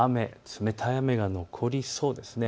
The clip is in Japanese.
冷たい雨が残りそうです。